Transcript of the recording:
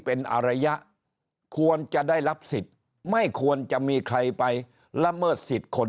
เป็นอารยะควรจะได้รับสิทธิ์ไม่ควรจะมีใครไปละเมิดสิทธิ์คน